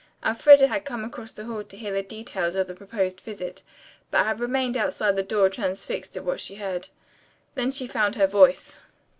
Elfreda had come across the hall to hear the details of the proposed visit, but had remained outside the door transfixed at what she heard. Then she found her voice.